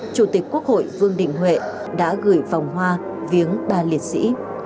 chủ tịch quốc hội vương định huệ đã gửi phòng hoa viếng ba liệt sĩ